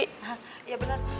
hah iya bener